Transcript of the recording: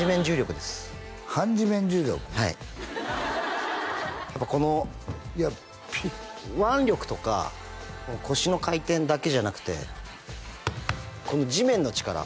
はいやっぱこの腕力とか腰の回転だけじゃなくてこの地面の力